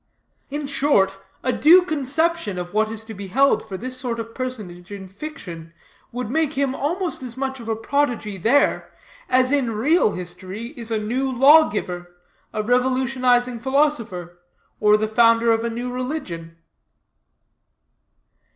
In short, a due conception of what is to be held for this sort of personage in fiction would make him almost as much of a prodigy there, as in real history is a new law giver, a revolutionizing philosopher, or the founder of a new religion.